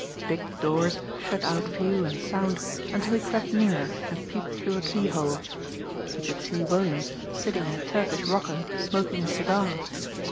Big doors shut out view and sound until he crept nearer and peeped through a keyhole. He could see Williams sitting in a Turkish rocker smoking a cigar.